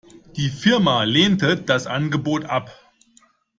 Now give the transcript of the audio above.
Die Firma lehnte das Angebot ab.